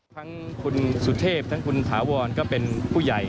ครั้งคุณสุเทพฯคุณธาวรฯก็เป็นผู้ใหญ่